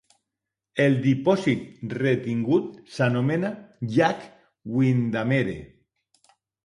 El dipòsit retingut s'anomena llac Windamere.